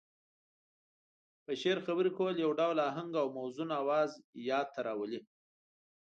په شعر خبرې کول يو ډول اهنګ او موزون اواز ياد ته راولي.